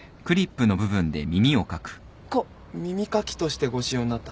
耳かきとしてご使用になったと。